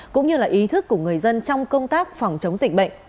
cũng như là ý thức của người dân trong công tác phòng chống dịch bệnh